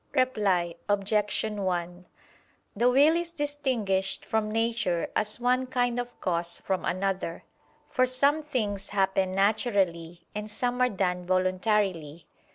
Reply Obj. 1: The will is distinguished from nature as one kind of cause from another; for some things happen naturally and some are done voluntarily.